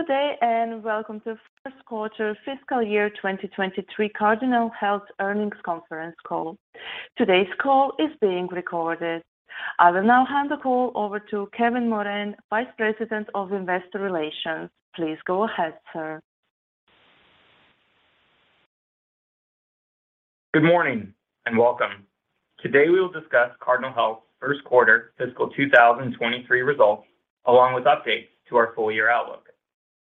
Good day, and welcome to first quarter fiscal year 2023 Cardinal Health earnings conference call. Today's call is being recorded. I will now hand the call over to Kevin Moran, Vice President of Investor Relations. Please go ahead, sir. Good morning and welcome. Today, we will discuss Cardinal Health first quarter fiscal 2023 results, along with updates to our full year outlook.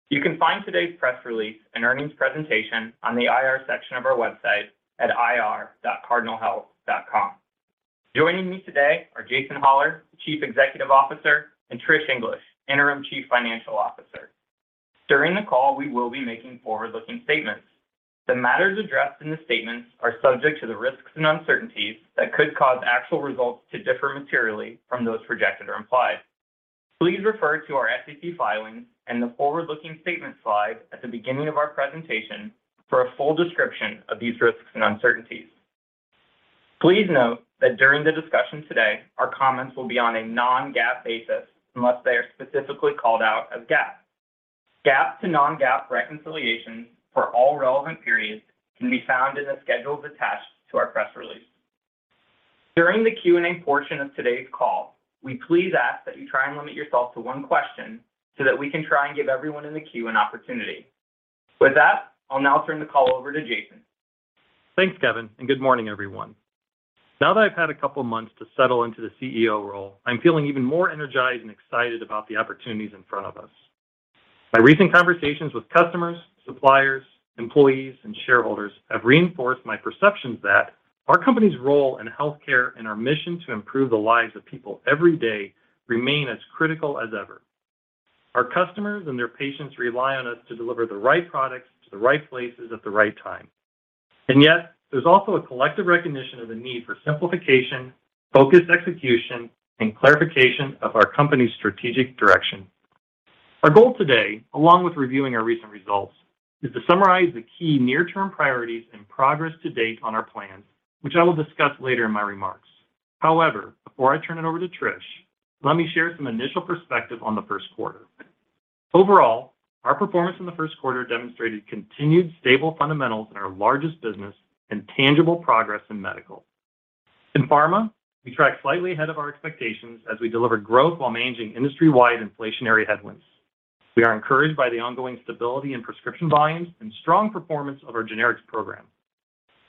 You can find today's press release and earnings presentation on the IR section of our website at ir.cardinalhealth.com. Joining me today are Jason Hollar, Chief Executive Officer, and Patricia English, Interim Chief Financial Officer. During the call, we will be making forward-looking statements. The matters addressed in the statements are subject to the risks and uncertainties that could cause actual results to differ materially from those projected or implied. Please refer to our SEC filings and the forward-looking statement slide at the beginning of our presentation for a full description of these risks and uncertainties. Please note that during the discussion today, our comments will be on a non-GAAP basis unless they are specifically called out as GAAP. GAAP to non-GAAP reconciliations for all relevant periods can be found in the schedules attached to our press release. During the Q&A portion of today's call, we please ask that you try and limit yourself to one question so that we can try and give everyone in the queue an opportunity. With that, I'll now turn the call over to Jason. Thanks, Kevin, and good morning, everyone. Now that I've had a couple of months to settle into the CEO role, I'm feeling even more energized and excited about the opportunities in front of us. My recent conversations with customers, suppliers, employees, and shareholders have reinforced my perceptions that our company's role in healthcare and our mission to improve the lives of people every day remain as critical as ever. Our customers and their patients rely on us to deliver the right products to the right places at the right time. Yet, there's also a collective recognition of the need for simplification, focused execution, and clarification of our company's strategic direction. Our goal today, along with reviewing our recent results, is to summarize the key near-term priorities and progress to date on our plans, which I will discuss later in my remarks. However, before I turn it over to Trish, let me share some initial perspective on the first quarter. Overall, our performance in the first quarter demonstrated continued stable fundamentals in our largest business and tangible progress in Medical. In Pharmaceutical, we tracked slightly ahead of our expectations as we delivered growth while managing industry-wide inflationary headwinds. We are encouraged by the ongoing stability in prescription volumes and strong performance of our generics program.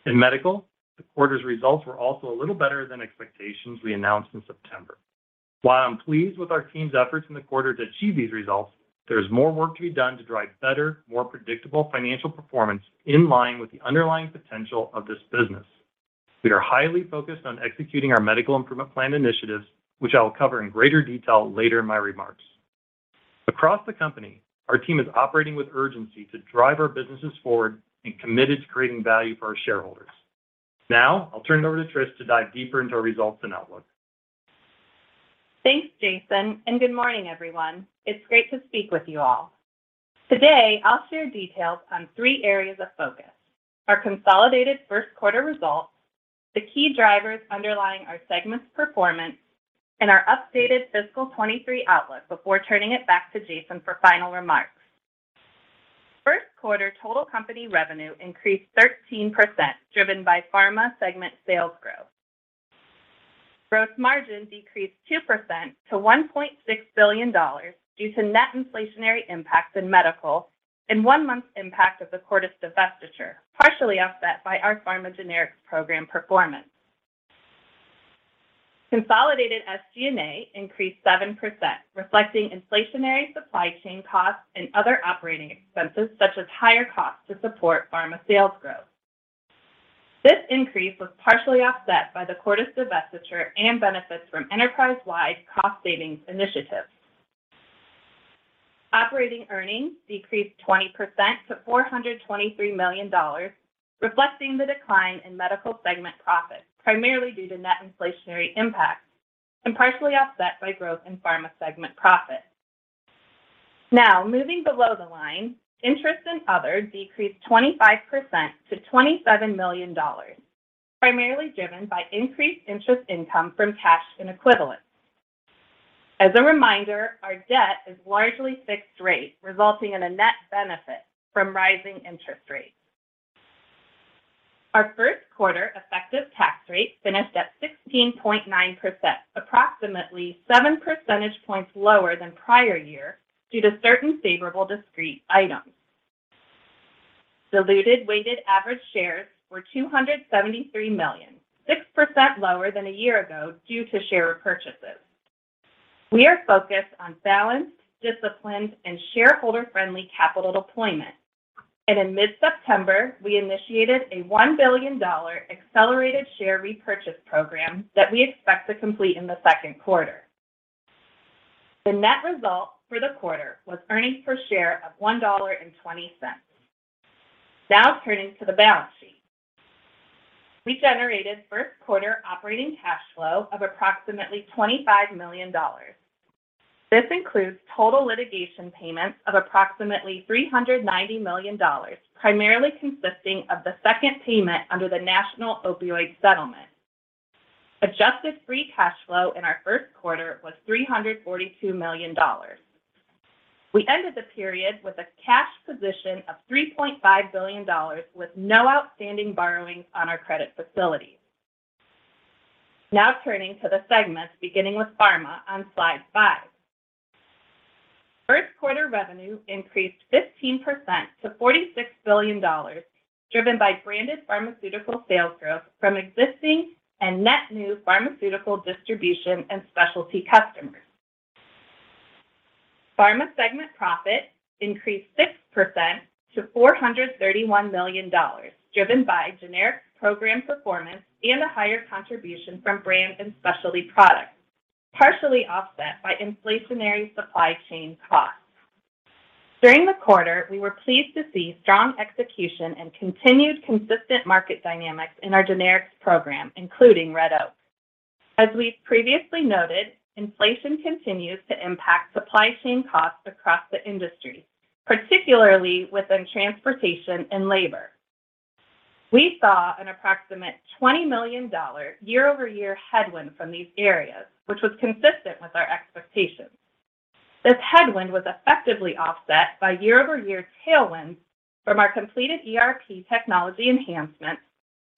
In Medical, the quarter's results were also a little better than expectations we announced in September. While I'm pleased with our team's efforts in the quarter to achieve these results, there's more work to be done to drive better, more predictable financial performance in line with the underlying potential of this business. We are highly focused on executing our Medical Improvement Plan initiatives, which I will cover in greater detail later in my remarks. Across the company, our team is operating with urgency to drive our businesses forward and committed to creating value for our shareholders. Now, I'll turn it over to Patricia to dive deeper into our results and outlook. Thanks, Jason, and good morning, everyone. It's great to speak with you all. Today, I'll share details on three areas of focus, our consolidated first quarter results, the key drivers underlying our segment's performance, and our updated fiscal 2023 outlook before turning it back to Jason for final remarks. First quarter total company revenue increased 13%, driven by Pharmaceutical segment sales growth. Gross margin decreased 2% to $1.6 billion due to net inflationary impacts in Medical and one month impact of the Cordis divestiture, partially offset by our Pharma generics program performance. Consolidated SG&A increased 7%, reflecting inflationary supply chain costs and other operating expenses, such as higher costs to support Pharmaceutical sales growth. This increase was partially offset by the Cordis divestiture and benefits from enterprise-wide cost savings initiatives. Operating earnings decreased 20% to $423 million, reflecting the decline in Medical segment profits, primarily due to net inflationary impacts and partially offset by growth in Pharmaceutical segment profits. Now, moving below the line, interest and other decreased 25% to $27 million, primarily driven by increased interest income from cash and equivalents. As a reminder, our debt is largely fixed rate, resulting in a net benefit from rising interest rates. Our first quarter effective tax rate finished at 16.9%, approximately 7 percentage points lower than prior year due to certain favorable discrete items. Diluted weighted average shares were 273 million, 6% lower than a year ago due to share repurchases. We are focused on balanced, disciplined, and shareholder-friendly capital deployment. In mid-September, we initiated a $1 billion accelerated share repurchase program that we expect to complete in the second quarter. The net result for the quarter was earnings per share of $1.20. Now turning to the balance sheet. We generated first quarter operating cash flow of approximately $25 million. This includes total litigation payments of approximately $390 million, primarily consisting of the second payment under the national opioid settlement. Adjusted free cash flow in our first quarter was $342 million. We ended the period with a cash position of $3.5 billion with no outstanding borrowings on our credit facilities. Now turning to the segments, beginning with Pharmaceutical on slide five. First quarter revenue increased 15% to $46 billion, driven by branded pharmaceutical sales growth from existing and net new pharmaceutical distribution and specialty customers. Pharmaceutical segment profit increased 6% to $431 million, driven by generics program performance and a higher contribution from brand and specialty products, partially offset by inflationary supply chain costs. During the quarter, we were pleased to see strong execution and continued consistent market dynamics in our generics program, including Red Oak. As we've previously noted, inflation continues to impact supply chain costs across the industry, particularly within transportation and labor. We saw an approximate $20 million year-over-year headwind from these areas, which was consistent with our expectations. This headwind was effectively offset by year-over-year tailwinds from our completed ERP technology enhancements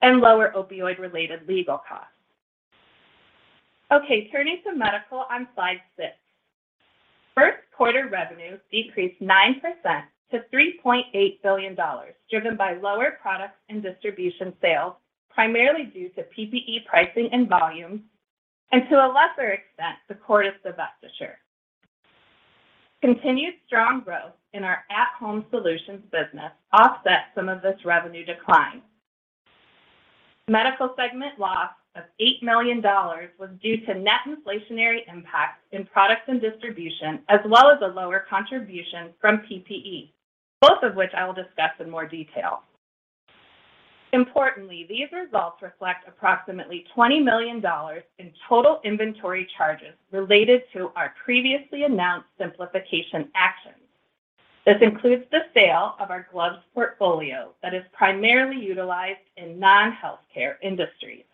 and lower opioid-related legal costs. Okay, turning to Medical on slide six. First quarter revenue decreased 9% to $3.8 billion, driven by lower products and distribution sales, primarily due to PPE pricing and volumes, and to a lesser extent, the Cordis divestiture. Continued strong growth in our at-Home Solutions business offset some of this revenue decline. Medical segment loss of $8 million was due to net inflationary impacts in products and distribution, as well as a lower contribution from PPE, both of which I will discuss in more detail. Importantly, these results reflect approximately $20 million in total inventory charges related to our previously announced simplification actions. This includes the sale of our gloves portfolio that is primarily utilized in non-healthcare industries.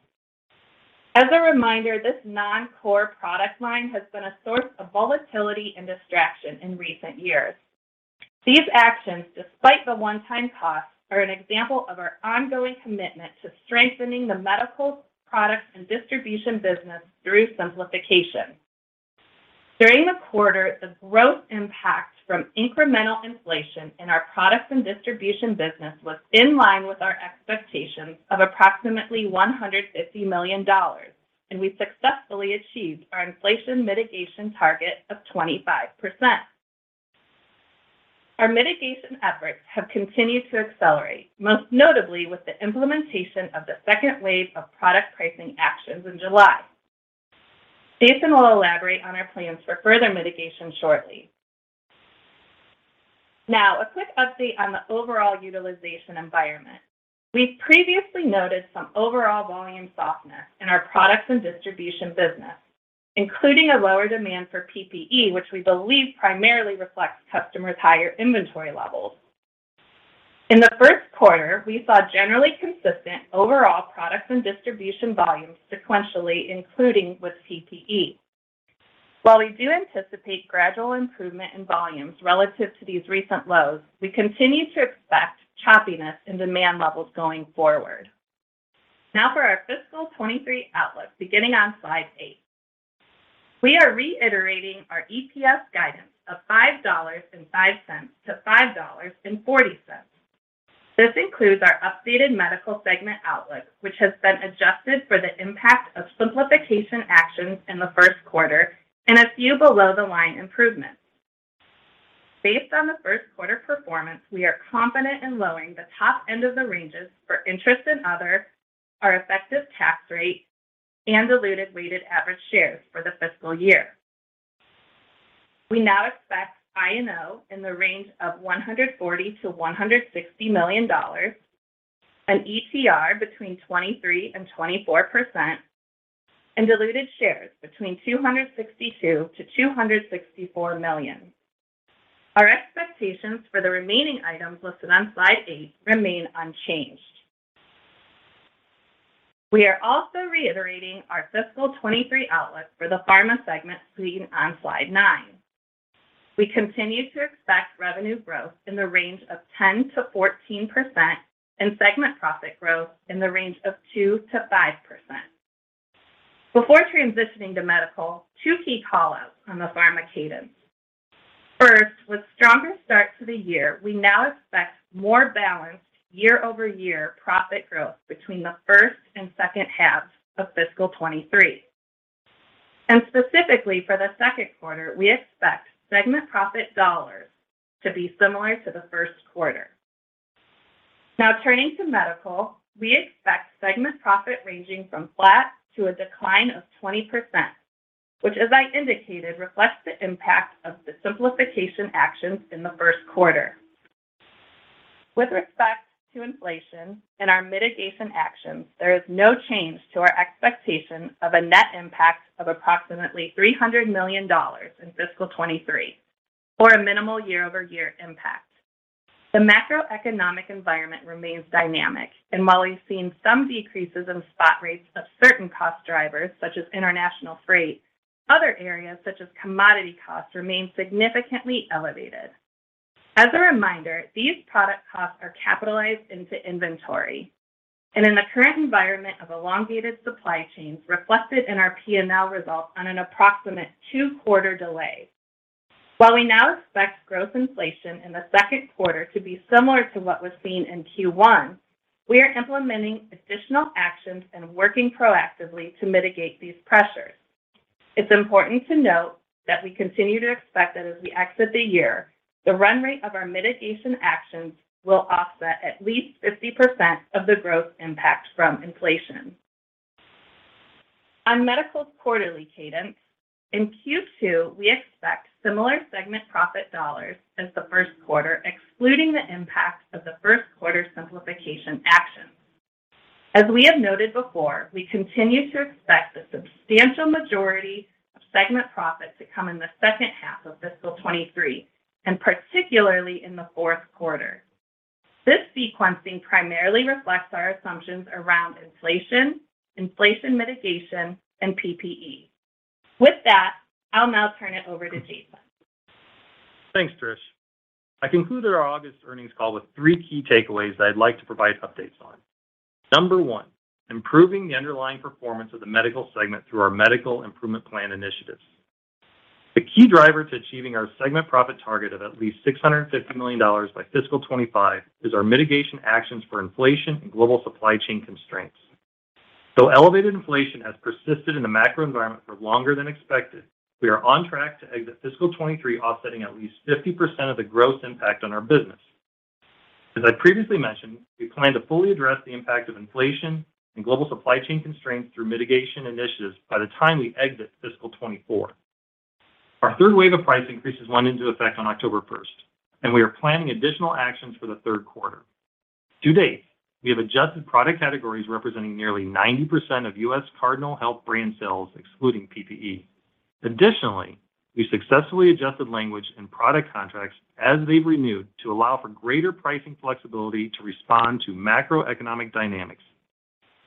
As a reminder, this non-core product line has been a source of volatility and distraction in recent years. These actions, despite the one-time costs, are an example of our ongoing commitment to strengthening the Medical products and distribution business through simplification. During the quarter, the growth impact from incremental inflation in our products and distribution business was in line with our expectations of approximately $150 million, and we successfully achieved our inflation mitigation target of 25%. Our mitigation efforts have continued to accelerate, most notably with the implementation of the second wave of product pricing actions in July. Jason will elaborate on our plans for further mitigation shortly. Now, a quick update on the overall utilization environment. We've previously noted some overall volume softness in our products and distribution business, including a lower demand for PPE, which we believe primarily reflects customers' higher inventory levels. In the first quarter, we saw generally consistent overall products and distribution volumes sequentially, including with PPE. While we do anticipate gradual improvement in volumes relative to these recent lows, we continue to expect choppiness in demand levels going forward. Now for our fiscal 2023 outlook, beginning on slide eight. We are reiterating our EPS guidance of $5.05-$5.40. This includes our updated Medical segment outlook, which has been adjusted for the impact of simplification actions in the first quarter and a few below the line improvements. Based on the first quarter performance, we are confident in lowering the top end of the ranges for interest and other, our effective tax rate, and diluted weighted average shares for the fiscal year. We now expect I&O in the range of $140 million-$160 million, an ETR between 23%-24%, and diluted shares between 262 million and 264 million. Our expectations for the remaining items listed on slide eight remain unchanged. We are also reiterating our fiscal 2023 outlook for the Pharmaceutical segment seen on slide nine. We continue to expect revenue growth in the range of 10%-14% and segment profit growth in the range of 2%-5%. Before transitioning to Medical, two key call-outs on the Pharma cadence. First, with stronger start to the year, we now expect more balanced year-over-year profit growth between the first half and second half of fiscal 2023. Specifically for the second quarter, we expect segment profit dollars to be similar to the first quarter. Now turning to Medical, we expect segment profit ranging from flat to a 20% decline, which as I indicated, reflects the impact of the simplification actions in the first quarter. With respect to inflation and our mitigation actions, there is no change to our expectation of a net impact of approximately $300 million in fiscal 2023, or a minimal year-over-year impact. The macroeconomic environment remains dynamic, and while we've seen some decreases in spot rates of certain cost drivers, such as international freight, other areas, such as commodity costs, remain significantly elevated. As a reminder, these product costs are capitalized into inventory and in the current environment of elongated supply chains reflected in our P&L results on an approximate two-quarter delay. While we now expect gross inflation in the second quarter to be similar to what was seen in Q1, we are implementing additional actions and working proactively to mitigate these pressures. It's important to note that we continue to expect that as we exit the year, the run rate of our mitigation actions will offset at least 50% of the growth impact from inflation. On Medical's quarterly cadence, in Q2, we expect similar segment profit dollars as the first quarter, excluding the impact of the first quarter simplification actions. We continue to expect the substantial majority of segment profit to come in the second half of fiscal 2023, and particularly in the fourth quarter. This sequencing primarily reflects our assumptions around inflation mitigation, and PPE. With that, I'll now turn it over to Jason. Thanks, Trish. I conclude our August earnings call with three key takeaways that I'd like to provide updates on. Number one, improving the underlying performance of the Medical segment through our Medical Improvement Plan initiatives. The key driver to achieving our segment profit target of at least $650 million by fiscal 2025 is our mitigation actions for inflation and global supply chain constraints. Though elevated inflation has persisted in the macro environment for longer than expected, we are on track to exit fiscal 2023 offsetting at least 50% of the gross impact on our business. As I previously mentioned, we plan to fully address the impact of inflation and global supply chain constraints through mitigation initiatives by the time we exit fiscal 2024. Our third wave of price increases went into effect on October 1, and we are planning additional actions for the third quarter. To date, we have adjusted product categories representing nearly 90% of U.S. Cardinal Health brand sales, excluding PPE. Additionally, we successfully adjusted language and product contracts as they've renewed to allow for greater pricing flexibility to respond to macroeconomic dynamics.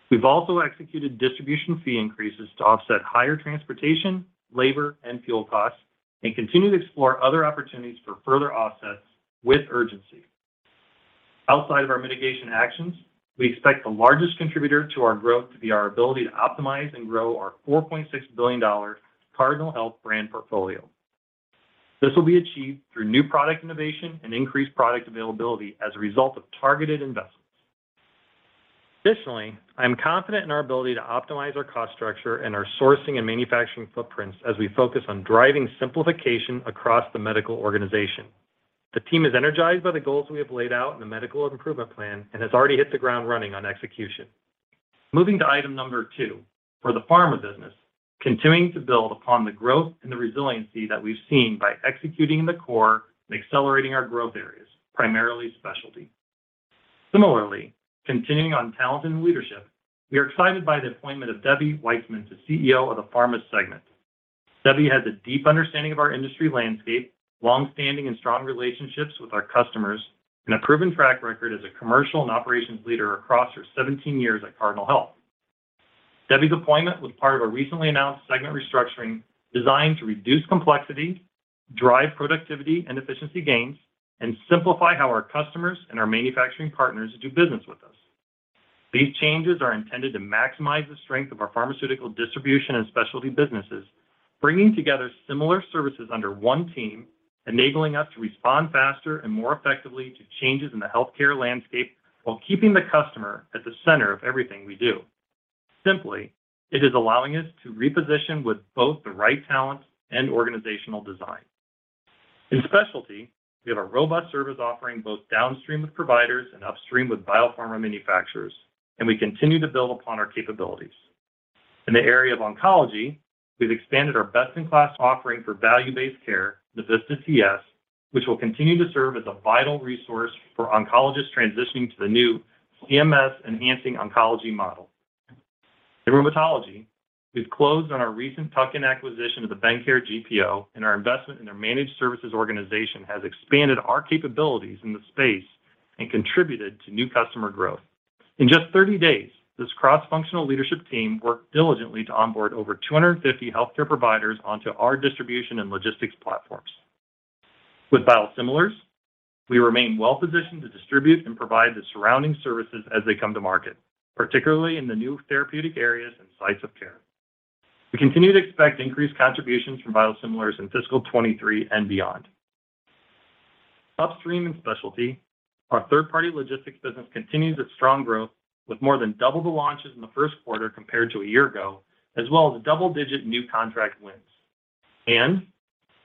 We've also executed distribution fee increases to offset higher transportation, labor, and fuel costs and continue to explore other opportunities for further offsets with urgency. Outside of our mitigation actions, we expect the largest contributor to our growth to be our ability to optimize and grow our $4.6 billion Cardinal Health brand portfolio. This will be achieved through new product innovation and increased product availability as a result of targeted investments. Additionally, I am confident in our ability to optimize our cost structure and our sourcing and manufacturing footprints as we focus on driving simplification across the medical organization. The team is energized by the goals we have laid out in the Medical Improvement Plan and has already hit the ground running on execution. Moving to item number two, for the Pharmaceutical business, continuing to build upon the growth and the resiliency that we've seen by executing the core and accelerating our growth areas, primarily specialty. Similarly, continuing on talent and leadership, we are excited by the appointment of Debbie Weitzman to CEO of the Pharmaceutical segment. Debbie has a deep understanding of our industry landscape, long-standing and strong relationships with our customers, and a proven track record as a commercial and operations leader across her 17 years at Cardinal Health. Debbie's appointment was part of a recently announced segment restructuring designed to reduce complexity, drive productivity and efficiency gains, and simplify how our customers and our manufacturing partners do business with us. These changes are intended to maximize the strength of our pharmaceutical distribution and specialty businesses, bringing together similar services under one team, enabling us to respond faster and more effectively to changes in the healthcare landscape while keeping the customer at the center of everything we do. Simply, it is allowing us to reposition with both the right talent and organizational design. In specialty, we have a robust service offering both downstream with providers and upstream with biopharma manufacturers, and we continue to build upon our capabilities. In the area of oncology, we've expanded our best-in-class offering for value-based care, Navista Tech Solutions, which will continue to serve as a vital resource for oncologists transitioning to the new CMS Enhancing Oncology Model. In rheumatology, we've closed on our recent tuck-in acquisition of the Bendcare GPO, and our investment in their managed services organization has expanded our capabilities in the space and contributed to new customer growth. In just 30 days, this cross-functional leadership team worked diligently to onboard over 250 healthcare providers onto our distribution and logistics platforms. With biosimilars, we remain well-positioned to distribute and provide the surrounding services as they come to market, particularly in the new therapeutic areas and sites of care. We continue to expect increased contributions from biosimilars in fiscal 2023 and beyond. Upstream and specialty, our third-party logistics business continues its strong growth with more than double the launches in the first quarter compared to a year ago, as well as double-digit new contract wins.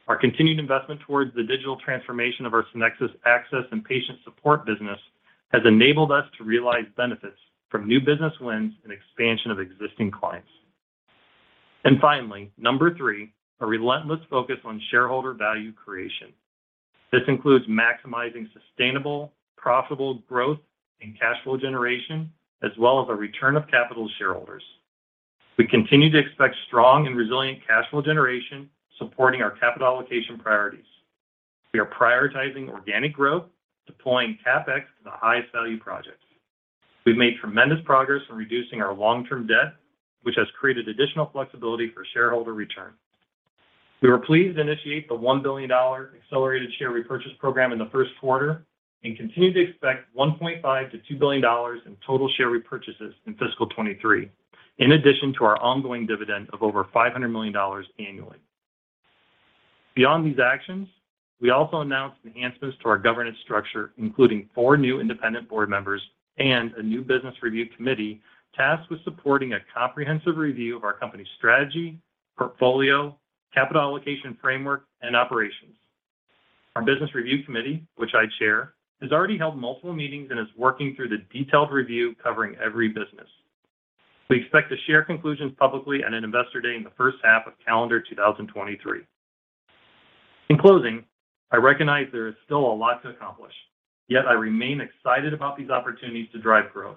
Our continued investment towards the digital transformation of our Sonexus access and patient support business has enabled us to realize benefits from new business wins and expansion of existing clients. Finally, number three, a relentless focus on shareholder value creation. This includes maximizing sustainable, profitable growth and cash flow generation, as well as a return of capital to shareholders. We continue to expect strong and resilient cash flow generation supporting our capital allocation priorities. We are prioritizing organic growth, deploying CapEx to the highest value projects. We've made tremendous progress in reducing our long-term debt, which has created additional flexibility for shareholder return. We were pleased to initiate the $1 billion accelerated share repurchase program in the first quarter, and continue to expect $1.5 billion-$2 billion in total share repurchases in fiscal 2023, in addition to our ongoing dividend of over $500 million annually. Beyond these actions, we also announced enhancements to our governance structure, including four new independent board members and a new business review committee tasked with supporting a comprehensive review of our company's strategy, portfolio, capital allocation framework, and operations. Our business review committee, which I chair, has already held multiple meetings and is working through the detailed review covering every business. We expect to share conclusions publicly at an Investor Day in the first half of calendar 2023. In closing, I recognize there is still a lot to accomplish, yet I remain excited about these opportunities to drive growth.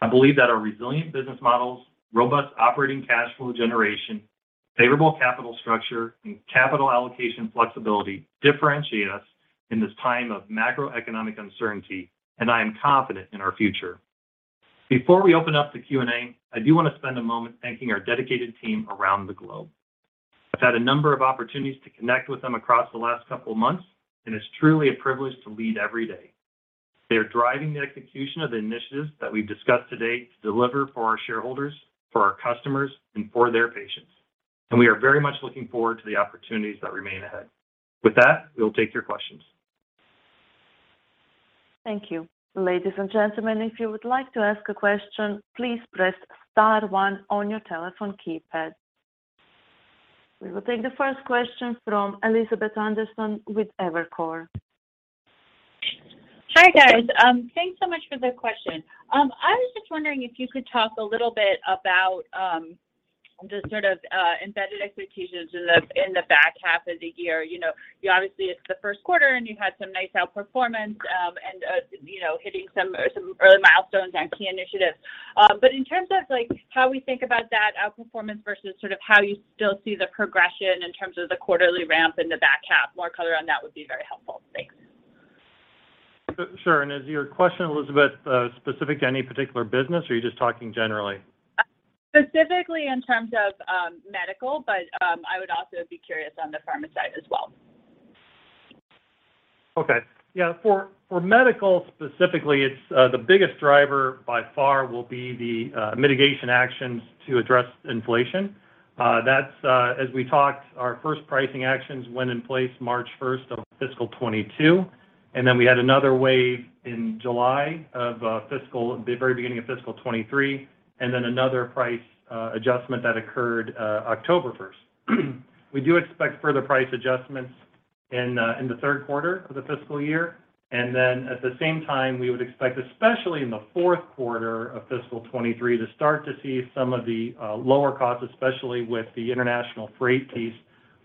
I believe that our resilient business models, robust operating cash flow generation, favorable capital structure, and capital allocation flexibility differentiate us in this time of macroeconomic uncertainty, and I am confident in our future. Before we open up to Q&A, I do want to spend a moment thanking our dedicated team around the globe. I've had a number of opportunities to connect with them across the last couple of months, and it's truly a privilege to lead every day. They are driving the execution of the initiatives that we've discussed today to deliver for our shareholders, for our customers, and for their patients. We are very much looking forward to the opportunities that remain ahead. With that, we'll take your questions. Thank you. Ladies and gentlemen, if you would like to ask a question, please press star one on your telephone keypad. We will take the first question from Elizabeth Anderson with Evercore. Hi, guys. Thanks so much for the question. I was just wondering if you could talk a little bit about the sort of embedded expectations in the back half of the year. You know, you obviously it's the first quarter, and you had some nice outperformance, and you know, hitting some early milestones on key initiatives. In terms of like how we think about that outperformance versus sort of how you still see the progression in terms of the quarterly ramp in the back half, more color on that would be very helpful. Thanks. Sure. Is your question, Elizabeth, specific to any particular business, or are you just talking generally? Specifically in terms of Medical, but I would also be curious on the Pharmaceutical side as well. Okay. Yeah, for Medical specifically, it's the biggest driver by far will be the mitigation actions to address inflation. That's as we talked, our first pricing actions went in place March 1st of fiscal 2022, and then we had another wave in July of the very beginning of fiscal 2023, and then another price adjustment that occurred October 1st. We do expect further price adjustments in the third quarter of the fiscal year. Then at the same time, we would expect, especially in the fourth quarter of fiscal 2023, to start to see some of the lower costs, especially with the international freight piece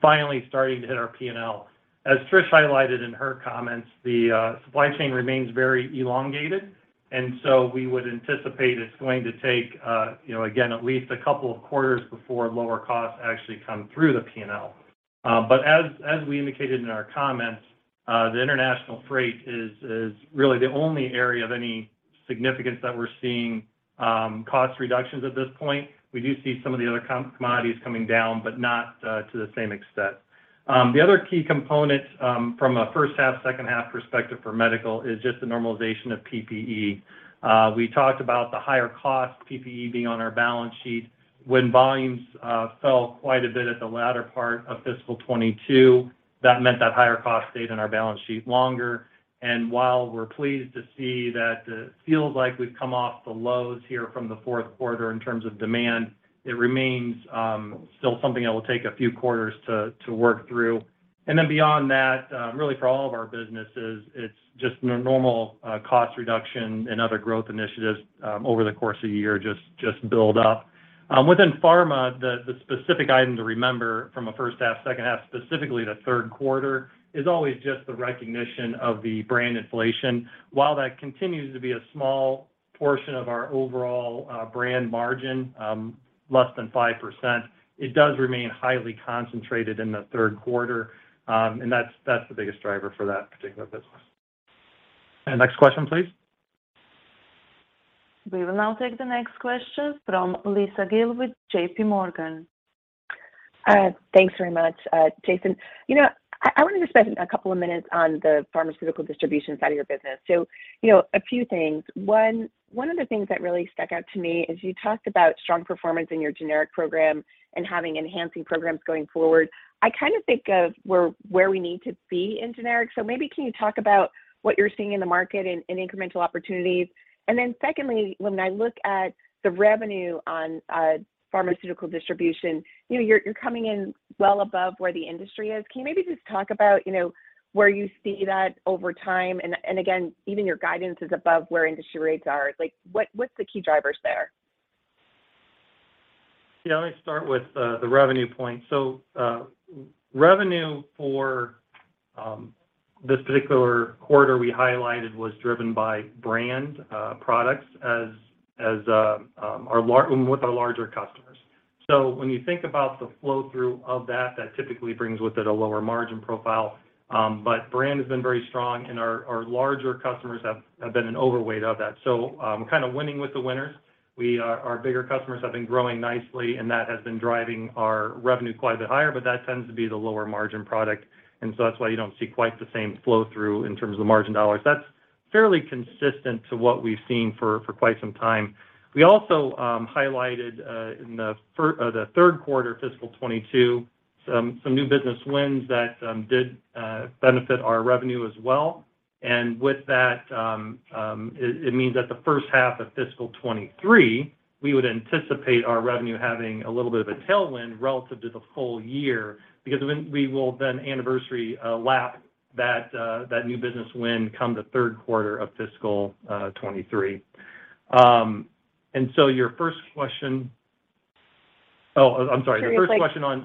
finally starting to hit our P&L. As Trish highlighted in her comments, the supply chain remains very elongated, and so we would anticipate it's going to take, you know, again, at least a couple of quarters before lower costs actually come through the P&L. As we indicated in our comments, the international freight is really the only area of any significance that we're seeing cost reductions at this point. We do see some of the other commodities coming down, but not to the same extent. The other key component, from a first half, second half perspective for Medical is just the normalization of PPE. We talked about the higher cost PPE being on our balance sheet. When volumes fell quite a bit at the latter part of fiscal 2022, that meant that higher cost stayed on our balance sheet longer. While we're pleased to see that it feels like we've come off the lows here from the fourth quarter in terms of demand, it remains still something that will take a few quarters to work through. Then beyond that, really for all of our businesses, it's just normal cost reduction and other growth initiatives over the course of the year just build up. Within Pharmaceutical, the specific item to remember from a first half, second half, specifically the third quarter, is always just the recognition of the brand inflation. While that continues to be a small portion of our overall brand margin, less than 5%, it does remain highly concentrated in the third quarter, and that's the biggest driver for that particular business. Next question, please. We will now take the next question from Lisa Gill with JPMorgan. Thanks very much, Jason. You know, I wanted to spend a couple of minutes on the pharmaceutical distribution side of your business. So, you know, a few things. One of the things that really stuck out to me is you talked about strong performance in your generic program and having enhancing programs going forward. I kind of think of where we need to be in generic. So maybe can you talk about what you're seeing in the market in incremental opportunities? And then secondly, when I look at the revenue in pharmaceutical distribution, you know, you're coming in well above where the industry is. Can you maybe just talk about, you know, where you see that over time? And again, even your guidance is above where industry rates are. Like, what's the key drivers there? Let me start with the revenue point. Revenue from this particular quarter we highlighted was driven by brand products as with our larger customers. When you think about the flow through of that typically brings with it a lower margin profile. Brand has been very strong, and our larger customers have been an overweight of that. Kind of winning with the winners. Our bigger customers have been growing nicely, and that has been driving our revenue quite a bit higher, but that tends to be the lower margin product. That's why you don't see quite the same flow through in terms of margin dollars. That's fairly consistent with what we've seen for quite some time. We also highlighted in the third quarter fiscal 2022 some new business wins that did benefit our revenue as well. With that, it means that the first half of fiscal 2023, we would anticipate our revenue having a little bit of a tailwind relative to the whole year because then we will anniversary lap that new business win come the third quarter of fiscal 2023. Your first question was? Oh, I'm sorry. On generics. The first question on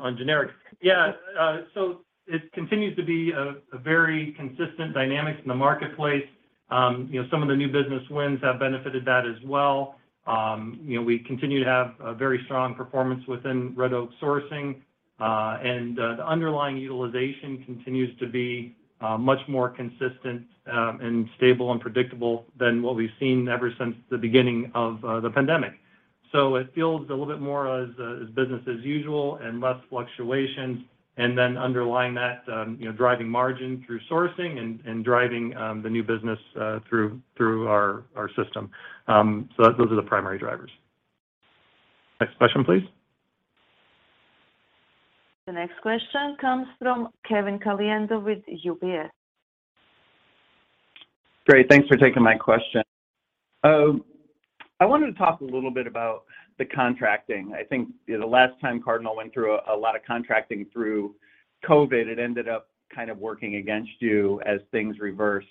generics. It continues to be a very consistent dynamics in the marketplace. You know, some of the new business wins have benefited that as well. You know, we continue to have a very strong performance within Red Oak Sourcing. The underlying utilization continues to be much more consistent, and stable and predictable than what we've seen ever since the beginning of the pandemic. It feels a little bit more as business as usual and less fluctuations, and then underlying that, you know, driving margin through sourcing and driving the new business through our system. Those are the primary drivers. Next question, please. The next question comes from Kevin Caliendo with UBS. Great. Thanks for taking my question. I wanted to talk a little bit about the contracting. I think, you know, the last time Cardinal went through a lot of contracting through COVID, it ended up kind of working against you as things reversed.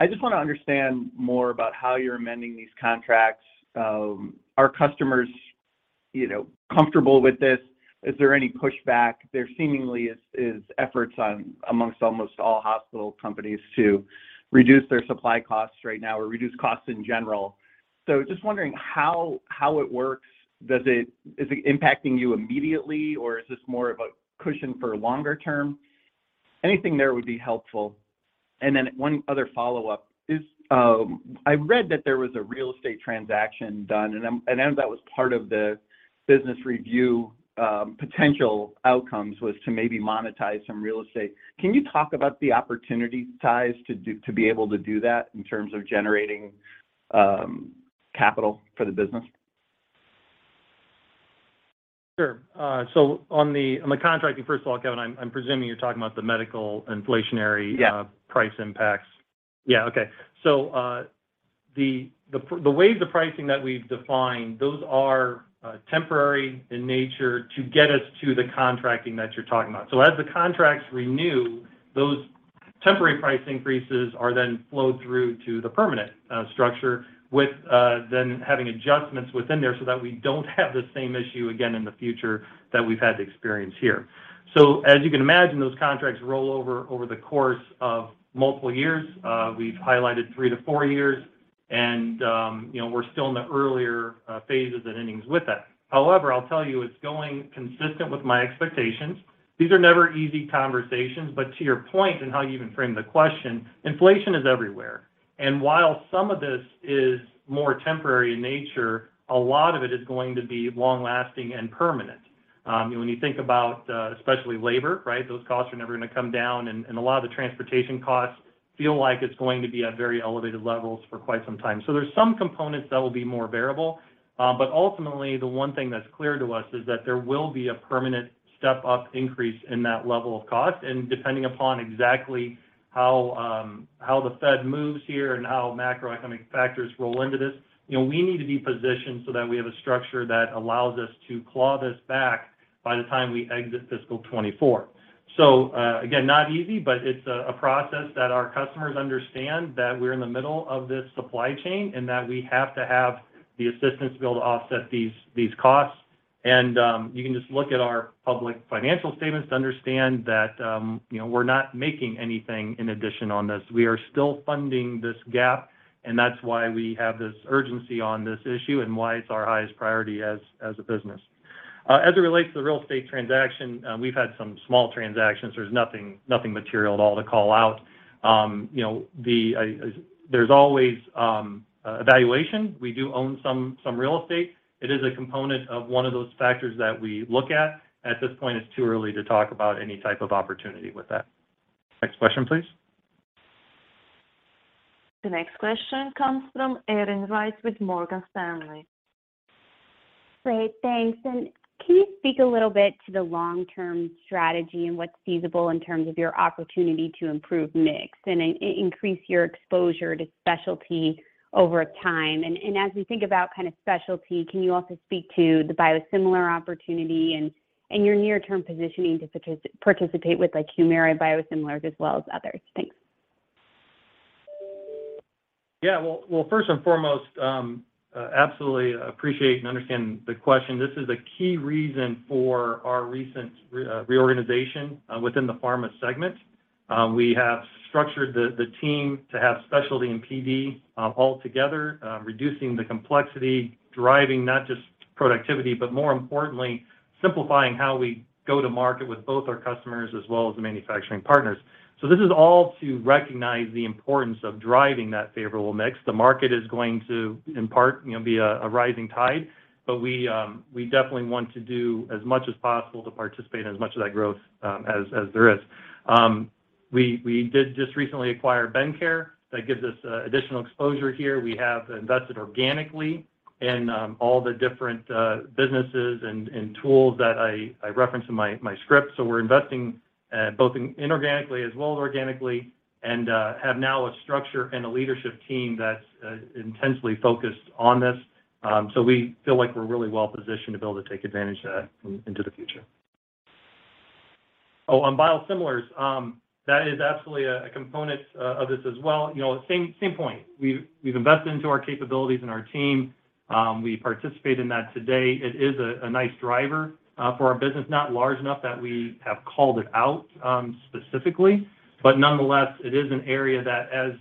I just want to understand more about how you're amending these contracts. Are customers, you know, comfortable with this? Is there any pushback? There seemingly is efforts among almost all hospital companies to reduce their supply costs right now or reduce costs in general. Just wondering how it works. Is it impacting you immediately, or is this more of a cushion for longer term? Anything there would be helpful. Then one other follow-up is, I read that there was a real estate transaction done, and that was part of the business review, potential outcomes, was to maybe monetize some real estate. Can you talk about the opportunities to be able to do that in terms of generating capital for the business? Sure. On the contracting, first of all, Kevin, I'm presuming you're talking about the medical inflationary— Yeah Price impacts. Yeah. Okay. The ways the pricing that we've defined, those are temporary in nature to get us to the contracting that you're talking about. As the contracts renew, those temporary price increases are then flowed through to the permanent structure with then having adjustments within there so that we don't have the same issue again in the future that we've had to experience here. As you can imagine, those contracts roll over the course of multiple years. We've highlighted three to four years, and you know, we're still in the earlier phases and innings with that. However, I'll tell you, it's going consistent with my expectations. These are never easy conversations, but to your point and how you even framed the question, inflation is everywhere. While some of this is more temporary in nature, a lot of it is going to be long-lasting and permanent. When you think about especially labor, right, those costs are never going to come down, and a lot of the transportation costs feel like it's going to be at very elevated levels for quite some time. So there's some components that will be more variable. But ultimately, the one thing that's clear to us is that there will be a permanent step-up increase in that level of cost, and depending upon exactly how the Fed moves here and how macroeconomic factors roll into this, you know, we need to be positioned so that we have a structure that allows us to claw this back by the time we exit fiscal 2024. Again, not easy, but it's a process that our customers understand that we're in the middle of this supply chain and that we have to have the assistance to be able to offset these costs. You can just look at our public financial statements to understand that, you know, we're not making anything in addition on this. We are still funding this gap, and that's why we have this urgency on this issue and why it's our highest priority as a business. As it relates to real estate transaction, we've had some small transactions. There's nothing material at all to call out. You know, there's always evaluation. We do own some real estate. It is a component of one of those factors that we look at. At this point, it's too early to talk about any type of opportunity with that. Next question, please. The next question comes from Erin Wright with Morgan Stanley. Great. Thanks. Can you speak a little bit to the long-term strategy and what's feasible in terms of your opportunity to improve mix and increase your exposure to specialty over time? As we think about kind of specialty, can you also speak to the biosimilar opportunity and your near-term positioning to participate with like Humira biosimilars as well as others? Thanks. Yeah. Well, first and foremost, absolutely appreciate and understand the question. This is a key reason for our recent reorganization within the Pharmaceutical segment. We have structured the team to have specialty and PD all together, reducing the complexity, driving not just productivity, but more importantly, simplifying how we go to market with both our customers as well as the manufacturing partners. This is all to recognize the importance of driving that favorable mix. The market is going to, in part, you know, be a rising tide, but we definitely want to do as much as possible to participate in as much of that growth as there is. We did just recently acquire Bendcare. That gives us additional exposure here. We have invested organically in all the different businesses and tools that I referenced in my script. We're investing both inorganically as well as organically, and have now a structure and a leadership team that's intensely focused on this. We feel like we're really well positioned to be able to take advantage of that into the future. Oh, on biosimilars, that is absolutely a component of this as well. You know, same point. We've invested into our capabilities and our team. We participate in that today. It is a nice driver for our business. Not large enough that we have called it out, specifically, but nonetheless, it is an area that as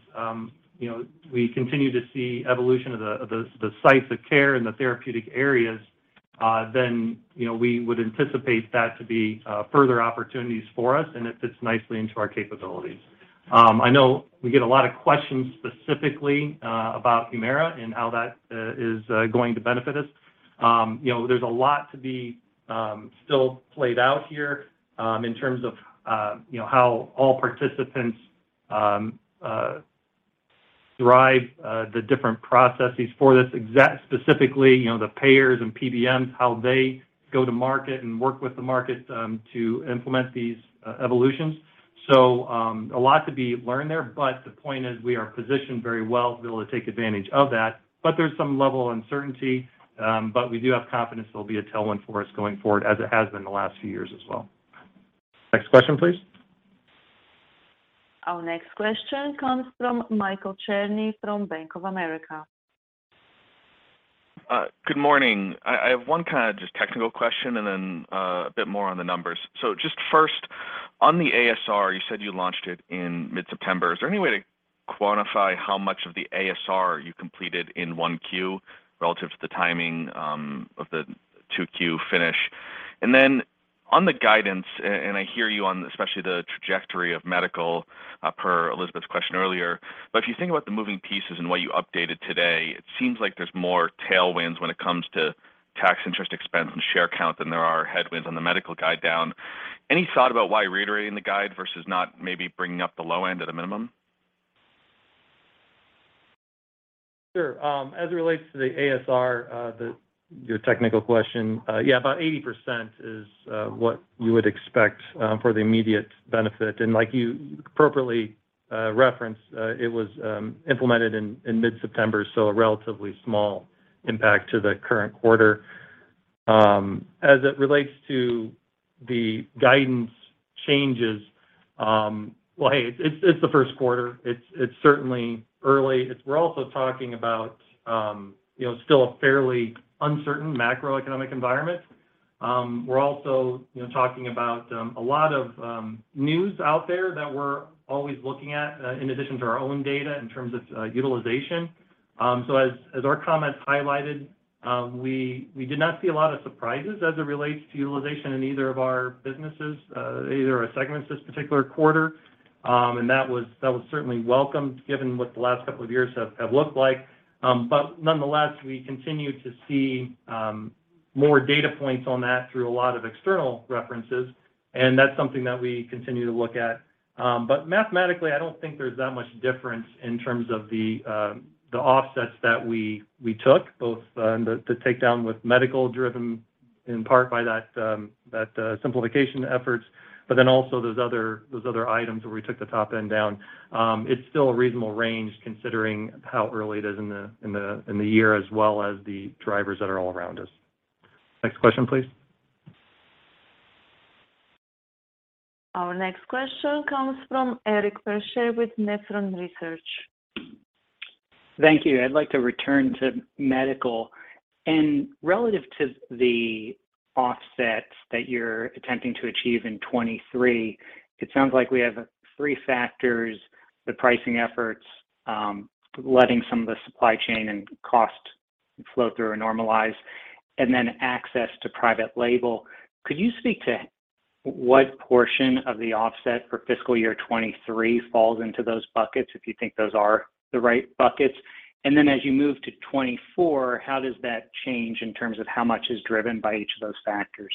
you know, we continue to see evolution of the sites of care and the therapeutic areas, then you know, we would anticipate that to be further opportunities for us, and it fits nicely into our capabilities. I know we get a lot of questions specifically about Humira and how that is going to benefit us. You know, there's a lot to be still played out here, in terms of you know, how all participants derive the different processes. Specifically, you know, the payers and PBMs, how they go to market and work with the market to implement these evolutions. A lot to be learned there, but the point is we are positioned very well to be able to take advantage of that. There's some level of uncertainty, but we do have confidence there'll be a tailwind for us going forward, as it has been the last few years as well. Next question, please. Our next question comes from Michael Cherny from Bank of America. Good morning. I have one kind of just technical question and then a bit more on the numbers. Just first, on the ASR, you said you launched it in mid-September. Is there any way to quantify how much of the ASR you completed in 1Q relative to the timing of the 2Q finish? Then on the guidance, and I hear you on especially the trajectory of Medical per Elizabeth's question earlier, but if you think about the moving pieces and what you updated today, it seems like there's more tailwinds when it comes to tax interest expense and share count than there are headwinds on the Medical guide down. Any thought about why reiterating the guide versus not maybe bringing up the low end at a minimum? Sure. As it relates to the ASR, your technical question, yeah, about 80% is what you would expect for the immediate benefit. Like you appropriately referenced, it was implemented in mid-September, so a relatively small impact to the current quarter. As it relates to the guidance changes, well, hey, it's the first quarter. It's certainly early. We're also talking about, you know, still a fairly uncertain macroeconomic environment. We're also, you know, talking about a lot of news out there that we're always looking at in addition to our own data in terms of utilization. As our comments highlighted, we did not see a lot of surprises as it relates to utilization in either of our businesses or segments this particular quarter. That was certainly welcomed given what the last couple of years have looked like. Nonetheless, we continue to see more data points on that through a lot of external references, and that's something that we continue to look at. Mathematically, I don't think there's that much difference in terms of the offsets that we took, both the takedown with Medical driven in part by that simplification efforts, but then also those other items where we took the top end down. It's still a reasonable range considering how early it is in the year as well as the drivers that are all around us. Next question, please. Our next question comes from Eric Percher with Nephron Research. Thank you. I'd like to return to Medical. Relative to the offsets that you're attempting to achieve in 2023, it sounds like we have three factors, the pricing efforts, letting some of the supply chain and cost flow through or normalize, and then access to private label. Could you speak to what portion of the offset for fiscal year 2023 falls into those buckets, if you think those are the right buckets? Then as you move to 2024, how does that change in terms of how much is driven by each of those factors?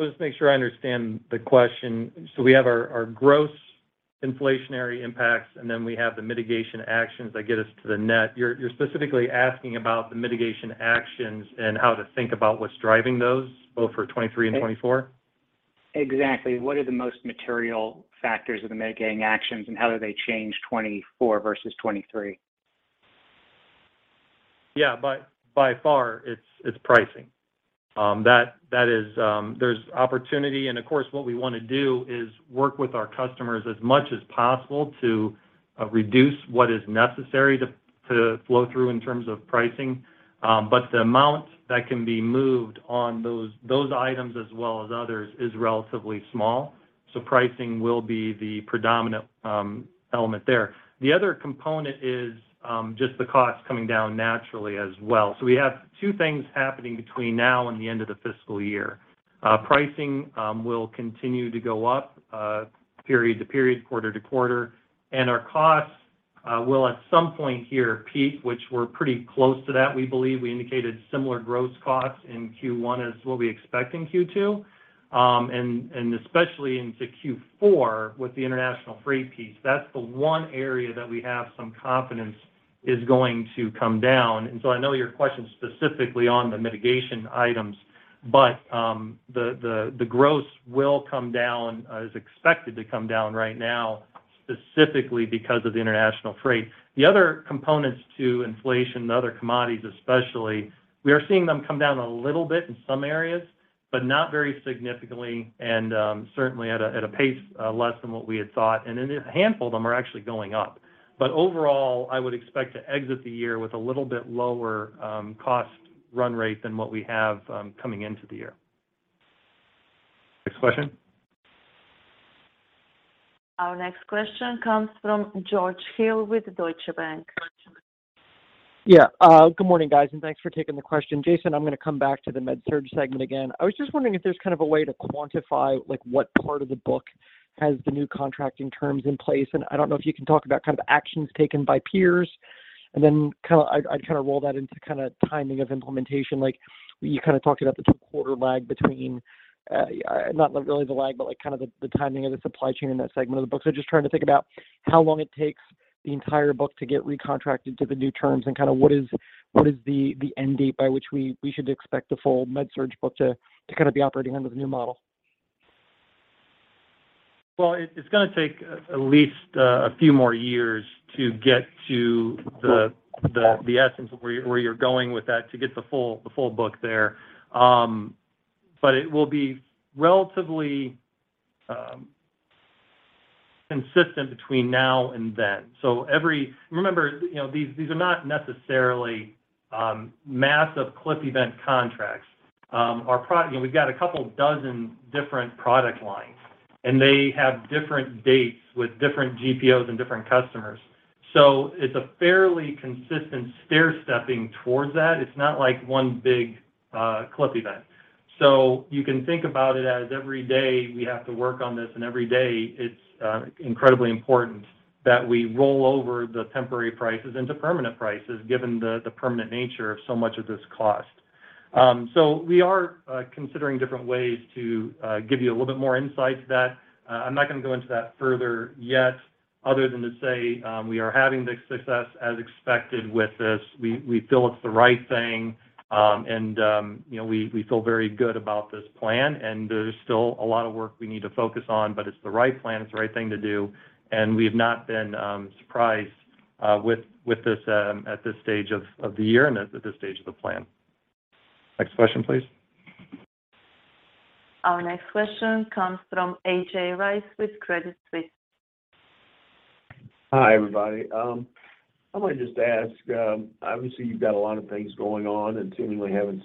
Just make sure I understand the question. We have our gross inflationary impacts, and then we have the mitigation actions that get us to the net. You're specifically asking about the mitigation actions and how to think about what's driving those both for 2023 and 2024? Exactly. What are the most material factors of the mitigating actions, and how do they change 2024 versus 2023? By far it's pricing. That is, there's opportunity, and of course what we wanna do is work with our customers as much as possible to reduce what is necessary to flow through in terms of pricing. But the amount that can be moved on those items as well as others is relatively small, so pricing will be the predominant element there. The other component is just the cost coming down naturally as well. We have two things happening between now and the end of the fiscal year. Pricing will continue to go up period to period, quarter to quarter, and our costs will at some point here peak, which we're pretty close to that, we believe. We indicated similar gross costs in Q1 as what we expect in Q2. Especially into Q4 with the international freight piece. That's the one area that we have some confidence is going to come down. I know your question is specifically on the mitigation items, but the gross will come down, is expected to come down right now specifically because of the international freight. The other components to inflation and other commodities especially, we are seeing them come down a little bit in some areas, but not very significantly, and certainly at a pace less than what we had thought. A handful of them are actually going up. Overall, I would expect to exit the year with a little bit lower cost run rate than what we have coming into the year. Next question. Our next question comes from George Hill with Deutsche Bank. Yeah. Good morning, guys, and thanks for taking the question. Jason, I'm gonna come back to the med-surg segment again. I was just wondering if there's kind of a way to quantify, like, what part of the book has the new contracting terms in place. I don't know if you can talk about kind of actions taken by peers. I try to roll that into kind of timing of implementation. Like, you kind of talked about the two-quarter lag between, not really the lag, but like kind of the timing of the supply chain in that segment of the book. Just trying to think about how long it takes the entire book to get recontracted to the new terms, and kinda what is the end date by which we should expect the full med-surg book to kind of be operating under the new model. Well, it's gonna take at least a few more years to get to the essence of where you're going with that, to get the full book there. It will be relatively consistent between now and then. Remember, you know, these are not necessarily massive cliff event contracts. You know, we've got a couple dozen different product lines, and they have different dates with different GPOs and different customers. It's a fairly consistent stair stepping towards that. It's not like one big cliff event. You can think about it as every day we have to work on this, and every day it's incredibly important that we roll over the temporary prices into permanent prices, given the permanent nature of so much of this cost. We are considering different ways to give you a little bit more insight to that. I'm not gonna go into that further yet other than to say, we are having the success as expected with this. We feel it's the right thing, and you know, we feel very good about this plan. There's still a lot of work we need to focus on, but it's the right plan. It's the right thing to do. We have not been surprised with this at this stage of the year and at this stage of the plan. Next question, please. Our next question comes from A.J. Rice with Credit Suisse. Hi, everybody. I wanna just ask, obviously you've got a lot of things going on, and seemingly having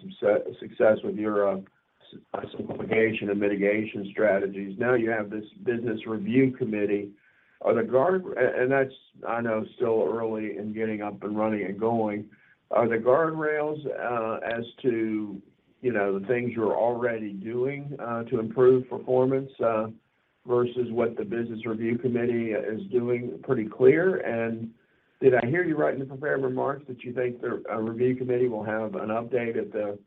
success with your simplification and mitigation strategies. Now you have this business review committee. That's, I know, still early in getting up and running and going. Are the guardrails as to the things you're already doing to improve performance versus what the business review committee is doing pretty clear? Did I hear you right in the prepared remarks that you think the review committee will have an update at the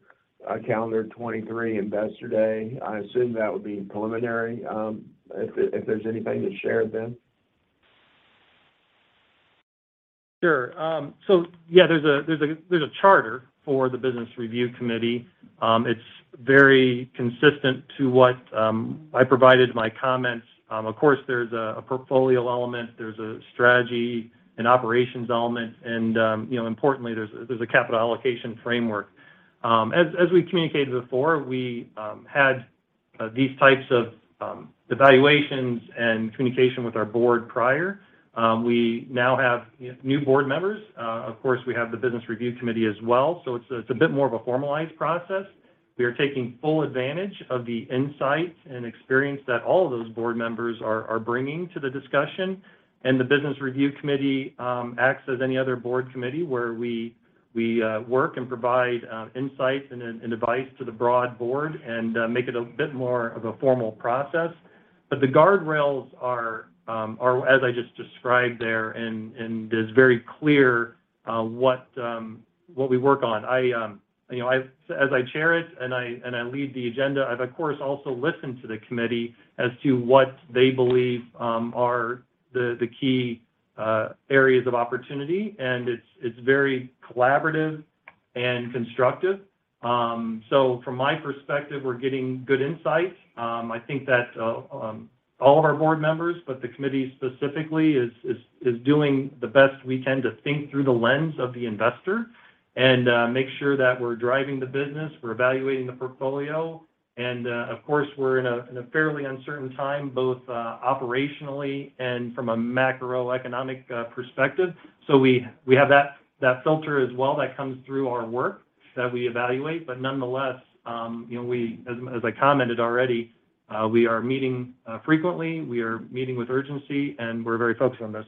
calendar 2023 Investor Day? I assume that would be preliminary, if there's anything to share then. Sure. Yeah, there's a charter for the business review committee. It's very consistent to what I provided in my comments. Of course there's a portfolio element, there's a strategy and operations element, and, you know, importantly, there's a capital allocation framework. As we communicated before, we had these types of evaluations and communication with our board prior. We now have, you know, new board members. Of course, we have the business review committee as well, so it's a bit more of a formalized process. We are taking full advantage of the insight and experience that all of those board members are bringing to the discussion. The business review committee acts as any other board committee where we work and provide insight and advice to the broader board and make it a bit more of a formal process. The guardrails are as I just described there, and it's very clear what we work on. You know, as I chair it and I lead the agenda, I've of course also listened to the committee as to what they believe are the key areas of opportunity, and it's very collaborative and constructive. From my perspective, we're getting good insight. I think that all of our board members, but the committee specifically is doing the best we can to think through the lens of the investor and make sure that we're driving the business, we're evaluating the portfolio. Of course, we're in a fairly uncertain time, both operationally and from a macroeconomic perspective. We have that filter as well that comes through our work that we evaluate. Nonetheless, you know, as I commented already, we are meeting frequently, we are meeting with urgency, and we're very focused on this.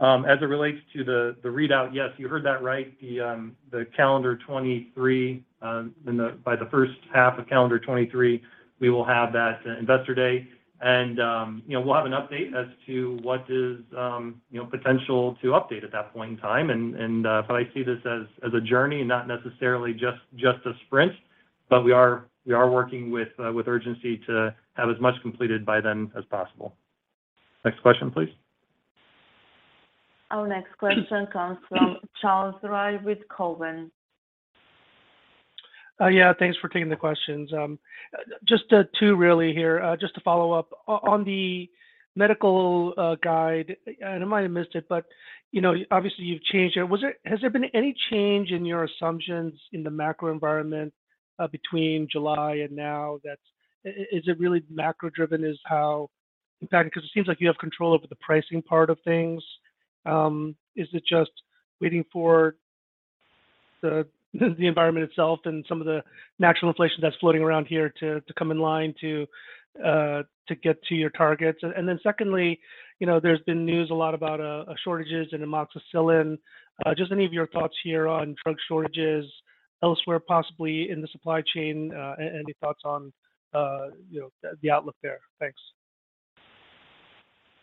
As it relates to the readout, yes, you heard that right. The calendar 2023, by the first half of calendar 2023, we will have that Investor Day. You know, we'll have an update as to what is, you know, potential to update at that point in time. I see this as a journey, not necessarily just a sprint. We are working with urgency to have as much completed by then as possible. Next question, please. Our next question comes from Charles Rhyee with Cowen. Yeah. Thanks for taking the questions. Just two really here. Just to follow up on the Medical guidance, and I might have missed it, but you know, obviously you've changed it. Has there been any change in your assumptions in the macro environment between July and now? Is it really macro driven? In fact, 'cause it seems like you have control over the pricing part of things. Is it just waiting for the environment itself and some of the natural inflation that's floating around here to come in line to get to your targets? Secondly, you know, there's been a lot of news about shortages in amoxicillin. Just any of your thoughts here on drug shortages elsewhere, possibly in the supply chain? Any thoughts on, you know, the outlook there? Thanks.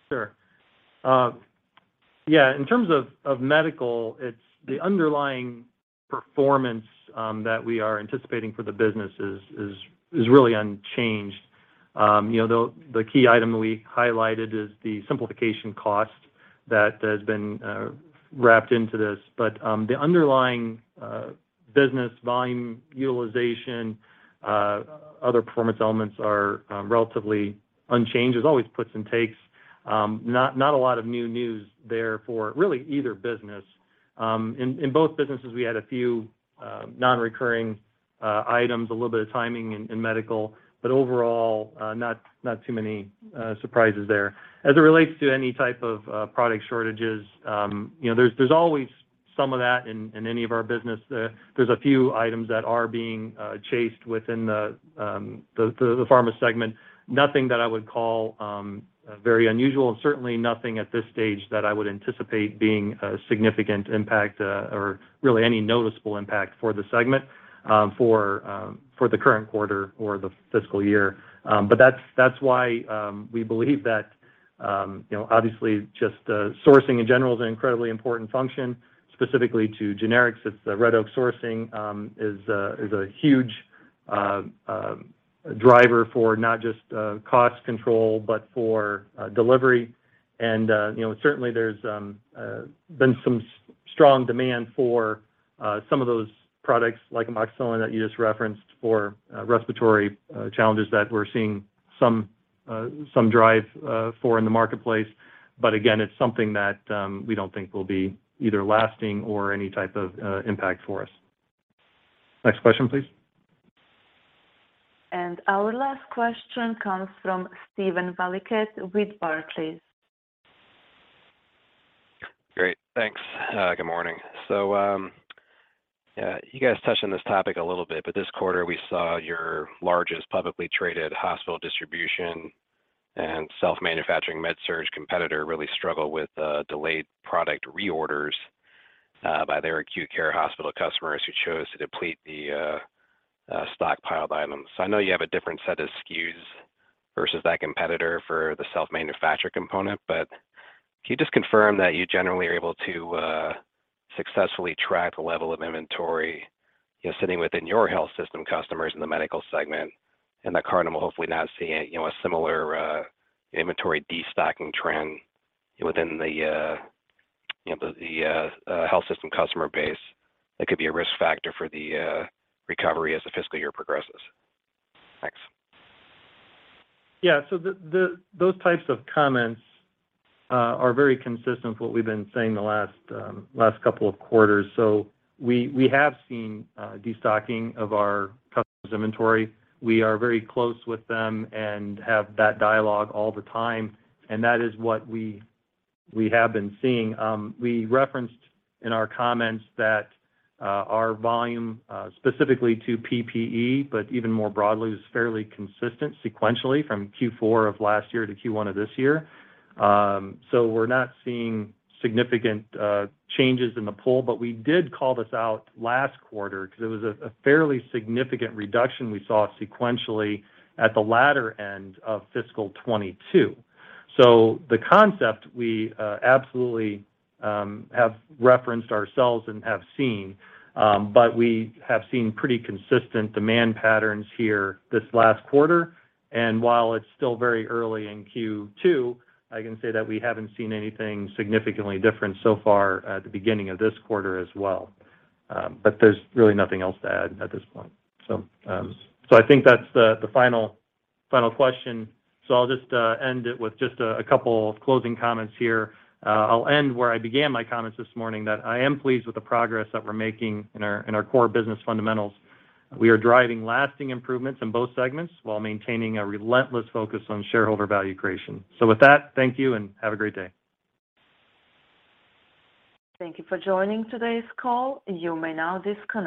Sure. Yeah. In terms of Medical, it's the underlying performance that we are anticipating for the business is really unchanged. You know, the key item that we highlighted is the simplification cost that has been wrapped into this. The underlying business volume utilization other performance elements are relatively unchanged. There's always puts and takes. Not a lot of new news there for really either business. In both businesses, we had a few non-recurring items, a little bit of timing in Medical, but overall, not too many surprises there. As it relates to any type of product shortages, you know, there's always some of that in any of our business. There's a few items that are being chased within the Pharmaceutical segment. Nothing that I would call very unusual and certainly nothing at this stage that I would anticipate being a significant impact or really any noticeable impact for the segment for the current quarter or the fiscal year. That's why we believe that you know obviously just sourcing in general is an incredibly important function, specifically to generics. It's the Red Oak Sourcing is a huge driver for not just cost control, but for delivery. you know, certainly there's been some strong demand for some of those products like amoxicillin that you just referenced for respiratory challenges that we're seeing some drive for in the marketplace. Again, it's something that we don't think will be either lasting or any type of impact for us. Next question, please. Our last question comes from Steven Valiquette with Barclays. Great. Thanks. Good morning. You guys touched on this topic a little bit, but this quarter we saw your largest publicly traded hospital distribution and self-manufacturing med-surg competitor really struggle with delayed product reorders by their acute care hospital customers who chose to deplete the stockpiled items. I know you have a different set of SKUs versus that competitor for the self-manufacture component, but can you just confirm that you generally are able to successfully track the level of inventory, you know, sitting within your health system customers in the Medical segment and that Cardinal will hopefully not see a, you know, similar inventory destocking trend within the, you know, health system customer base that could be a risk factor for the recovery as the fiscal year progresses? Thanks. Yeah. Those types of comments are very consistent with what we've been saying the last couple of quarters. We have seen destocking of our customers' inventory. We are very close with them and have that dialogue all the time, and that is what we have been seeing. We referenced in our comments that our volume, specifically to PPE, but even more broadly, was fairly consistent sequentially from Q4 of last year to Q1 of this year. We're not seeing significant changes in the pool. We did call this out last quarter 'cause it was a fairly significant reduction we saw sequentially at the latter end of fiscal 2022. The concept we absolutely have referenced ourselves and have seen. We have seen pretty consistent demand patterns here this last quarter. While it's still very early in Q2, I can say that we haven't seen anything significantly different so far at the beginning of this quarter as well. There's really nothing else to add at this point. I think that's the final question. I'll just end it with just a couple of closing comments here. I'll end where I began my comments this morning that I am pleased with the progress that we're making in our core business fundamentals. We are driving lasting improvements in both segments while maintaining a relentless focus on shareholder value creation. With that, thank you and have a great day. Thank you for joining today's call. You may now disconnect.